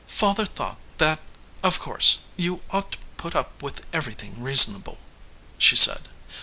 "Father thought that, of course, you ought to put up with everything reasonable," she said.